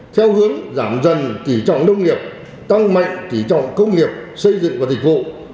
theo hướng giảm dần kỳ trọng nông nghiệp tăng mạnh kỳ trọng công nghiệp xây dựng và dịch vụ